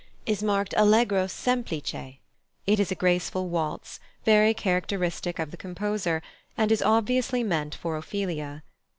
is marked allegro semplice; it is a graceful waltz, very characteristic of the composer, and is obviously meant for Ophelia.